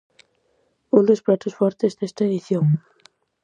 Un dos pratos fortes desta edición!